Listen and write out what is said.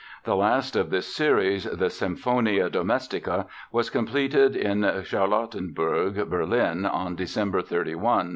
The last of this series, the Symphonia Domestica, was completed in Charlottenburg, Berlin, on December 31, 1903.